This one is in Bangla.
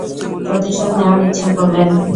প্রতিশোধ নেয়ার ইচ্ছে করলেন।